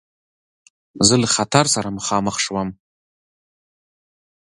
زه له خطر سره مخامخ شوم.